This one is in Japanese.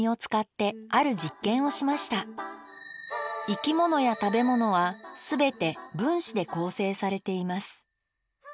生き物や食べ物は全て分子で構成されています。